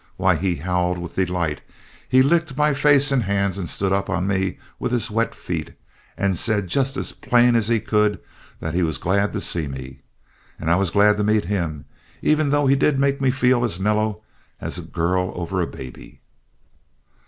Why, he howled with delight. He licked my face and hands and stood up on me with his wet feet and said just as plain as he could that he was glad to see me again. And I was glad to meet him, even though he did make me feel as mellow as a girl over a baby.